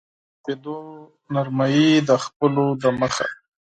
د اوړو مخ په شیدو نرموي د پخولو دمخه.